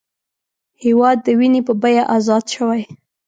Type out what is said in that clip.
هېواد د وینې په بیه ازاد شوی